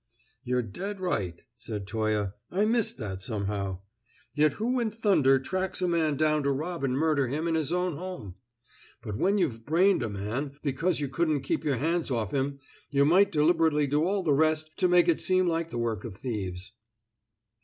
"You're dead right," said Toye. "I missed that somehow. Yet who in thunder tracks a man down to rob and murder him in his own home? But when you've brained a man, because you couldn't keep your hands off him, you might deliberately do all the rest to make it seem like the work of thieves."